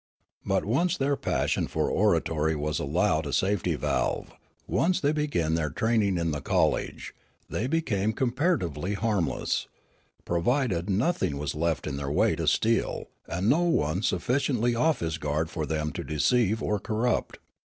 But once their passion for oratory was allowed a safety valve, once they began their training The Church and JournaHsm Sy in the college, the} became comparatively harmless ; provided nothing was left in their way to steal, and no one sufficiently off his guard for them to deceive or corrupt.